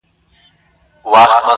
لا هغه سوټک ته څڼي غور ځومه!.